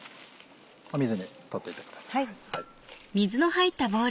水に取っていってください。